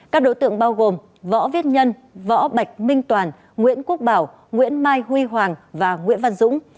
các đối tượng bao gồm võ viết nhân võ bạch minh toàn nguyễn quốc bảo nguyễn mai huy hoàng và nguyễn văn dũng